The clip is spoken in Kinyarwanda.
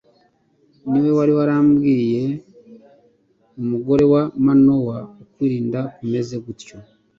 Ni we ubwe wari warabwiye umugore wa Manowa ukwirinda kumeze gutyo.